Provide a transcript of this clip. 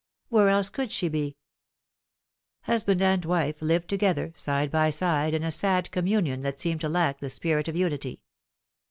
Where else could she be ? Husband and wife lived together, side by side, in a sad com munion that seemed to lack the spirit of unity.